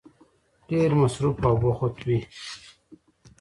ډېر مصروف او بوخت وی